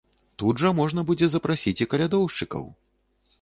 Тут жа можна будзе запрасіць і калядоўшчыкаў.